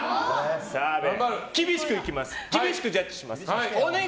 澤部厳しくジャッジします。